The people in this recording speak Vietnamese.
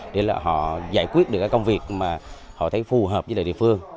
để họ giải quyết được công việc mà họ thấy phù hợp với địa phương